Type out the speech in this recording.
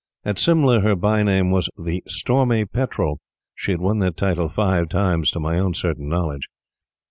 At Simla her bye name was the "Stormy Petrel." She had won that title five times to my own certain knowledge.